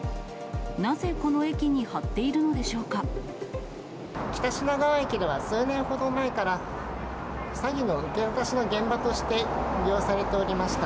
なぜ、北品川駅では、数年ほど前から、詐欺の受け渡しの現場として利用されておりました。